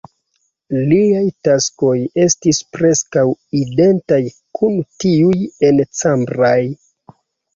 Liaj taskoj estis preskaŭ identaj kun tiuj en Cambrai.